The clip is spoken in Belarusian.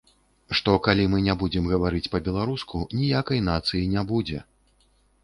Што, калі мы не будзем гаварыць па-беларуску, ніякай нацыі не будзе.